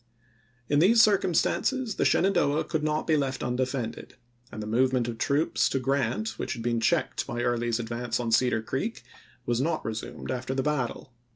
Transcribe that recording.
In these circumstances the Shenandoah could not be left undefended, and the movement of troops to Grant, which had been checked by Early's advance on Cedar Creek, was not resumed after the battle.